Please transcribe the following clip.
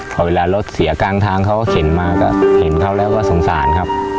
พอเวลารถเสียกลางทางเขาก็เข็นมาก็เห็นเขาแล้วก็สงสารครับ